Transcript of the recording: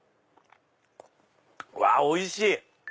うわおいしい！